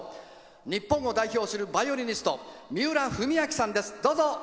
日本を代表するバイオリニスト三浦文彰さんです。